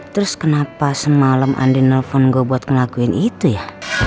terus kenapa semalam andi nelfon gue buat ngelakuin itu ya